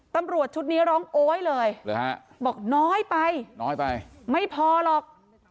ตำรวจชุดนี้ร้องโอ๊ยเลยฮะบอกน้อยไปน้อยไปไม่พอหรอก